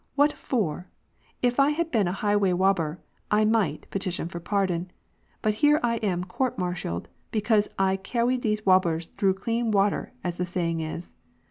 " What for ? If I had been a highway wobber, I might peti tion for pardon, but here I am court martialled because I * cawy these wobbers through clean water,' as the saying is.